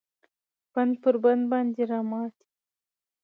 بند پر بند باندې راماتی